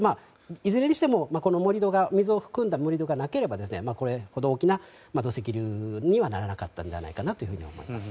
いずれにしても、この盛り土が水を含んだ盛り土がなければこれほど大きな土石流にはならなかったと思います。